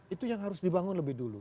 itu yang harus dibangun lebih dulu